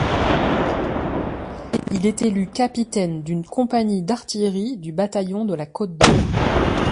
Il est élu capitaine d’une compagnie d'artillerie du bataillon de la Côte d'Or.